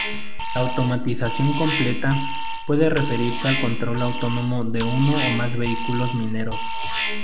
La "automatización completa" puede referirse al control autónomo de uno o más vehículos mineros.